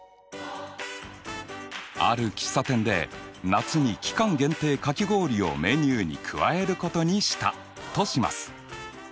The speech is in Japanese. ある喫茶店で夏に期間限定かき氷をメニューに加えることにしたとします。